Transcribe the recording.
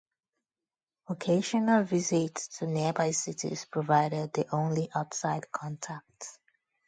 Occasional visits to nearby cities provided the only outside contact.